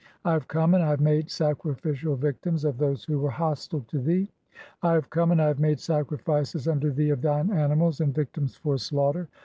(21) "I have come, and I have made sacrificial victims of "those who were hostile to thee. (22) "I have come, and I have made sacrifices unto thee of "thine animals and victims for slaughter.